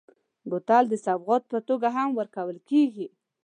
بوتل د سوغات په توګه هم ورکول کېږي.